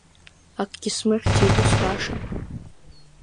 Акгьы смыхьӡеит, ус баша…